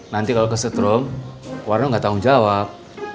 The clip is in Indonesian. nanti kalau ke strom warna gak tanggung jawab